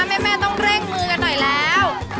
แม่ต้องเร่งมือกันหน่อยแล้ว